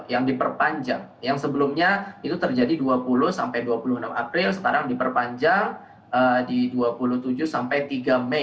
yang diperpanjang yang sebelumnya itu terjadi dua puluh sampai dua puluh enam april sekarang diperpanjang di dua puluh tujuh sampai tiga mei